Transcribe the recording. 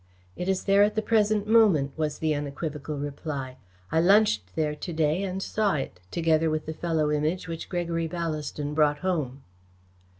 "It is there at the present moment," was the unequivocal reply. "I lunched there to day and saw it, together with the fellow Image which Gregory Ballaston brought home."